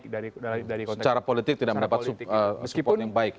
secara politik tidak mendapat support yang baik ya